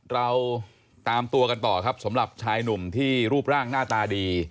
เราตามตัวกันต่อครับสำหรับชายหนุ่มที่รูปร่างหน้าตาดี